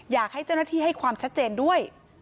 อยากให้เจ้าหน้าที่ให้ความชัดเจนด้วย